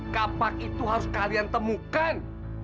kapak itu harus kalian temukan